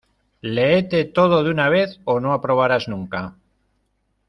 ¡Léete todo de una vez o no aprobarás nunca!